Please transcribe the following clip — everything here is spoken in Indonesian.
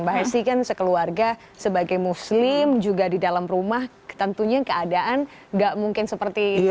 mbak hasi kan sekeluarga sebagai muslim juga di dalam rumah tentunya keadaan gak mungkin seperti itu ya